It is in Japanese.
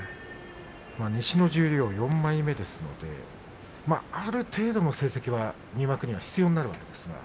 西の十両４枚目ですのである程度の成績が入幕には必要になるんですが。